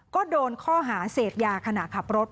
ก็โดนข้อหาเสพยาขณะขับรถ